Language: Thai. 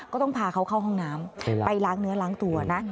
ก็ต้องพาเขาเข้าห้องน้ำไปล้างเนื้อล้างตัวนะ